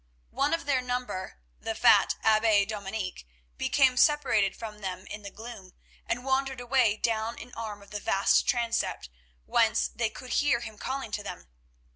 One of their number, the fat Abbe Dominic, became separated from them in the gloom, and wandered away down an arm of the vast transept, whence they could hear him calling to them.